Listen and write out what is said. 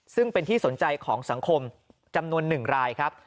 ซึ่งเป็นที่สนใจของสังคมจำนวน๑รายครับ